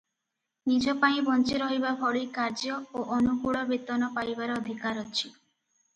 ନିଜ ପାଇଁ ବଞ୍ଚି ରହିବା ଭଳି କାର୍ଯ୍ୟ ଓ ଅନୁକୂଳ ବେତନ ପାଇବାର ଅଧିକାର ଅଛି ।